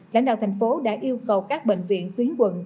lãnh đạo thành phố đã yêu cầu các bệnh viện tuyến quận